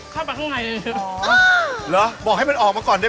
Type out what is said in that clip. กรก้อกไก่คือตัวอะไร